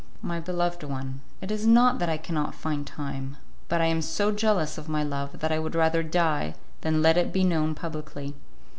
"My beloved one, it is not that I cannot find time, but I am so jealous of my love that I would rather die than let it be known publicly.